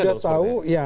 sudah tahu ya